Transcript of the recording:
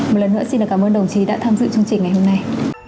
một lần nữa xin cảm ơn đồng chí đã tham dự chương trình ngày hôm nay